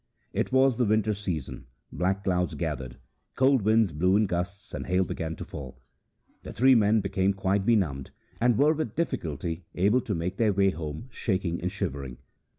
It was the winter season, black clouds gathered, cold winds blew in gusts, and hail began to fall. The three men became quite benumbed, and were with difficulty able to make their way home shaking and shivering.